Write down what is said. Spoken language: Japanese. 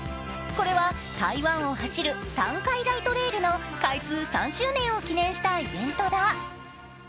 これは台湾を走る淡海ライトレールの開通３周年を記念したイベントだ。